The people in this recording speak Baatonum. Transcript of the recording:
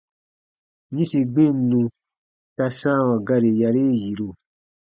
-yĩsi gbinnu ta sãawa gari yarii yiru.